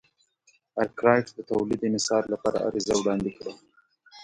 ارکرایټ د تولید انحصار لپاره عریضه وړاندې کړه.